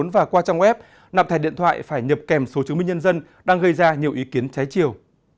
và qua trang web nạp thẻ điện thoại phải nhập kèm số chứng minh nhân dân đang gây ra nhiều ý kiến trái chiều